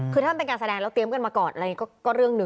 คือถ้ามันเป็นการแสดงเราเตรียมกันมาก่อนอะไรอย่างนี้ก็เรื่องหนึ่ง